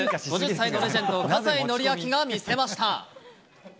５０歳のレジェンド、葛西紀明が見せました。